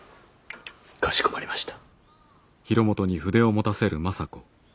かしこまりました。